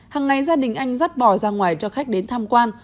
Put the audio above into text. hằng ngày gia đình anh dắt bò ra ngoài cho khách đến tham quan